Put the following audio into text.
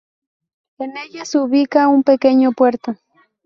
En ella se ubica un pequeño puerto.